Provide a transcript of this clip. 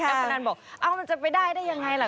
แล้วพนันบอกถึงจะไปได้ได้อย่างไรเหรอ